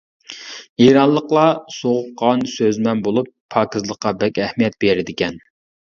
ئىرانلىقلار سوغۇققان، سۆزمەن بولۇپ، پاكىزلىققا بەك ئەھمىيەت بېرىدىكەن.